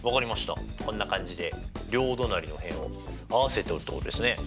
こんな感じで両隣の辺を合わせて折るってことですね。